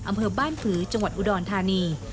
อำเภอบ้านผือจังหวัดอุดรธานี